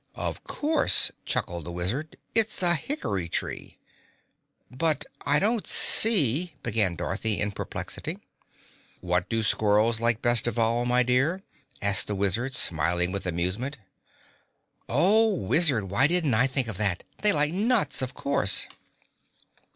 "Of course!" chuckled the Wizard. "It's a hickory tree!" "But I don't see " began Dorothy in perplexity. "What do squirrels like best of all, my dear?" asked the Wizard, smiling with amusement. "Oh, Wizard, why didn't I think of that? They like nuts, of course!"